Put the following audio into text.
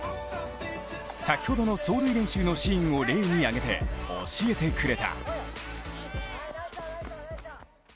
先ほどの走塁練習のシーンを例に挙げて教えてくれた。